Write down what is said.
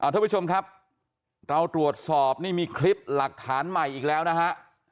ทุกผู้ชมครับเราตรวจสอบนี่มีคลิปหลักฐานใหม่อีกแล้วนะฮะ